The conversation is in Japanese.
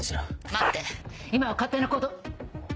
待って今は勝手な行動。